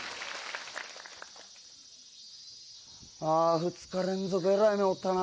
あ２日連続えらい目遭うたな。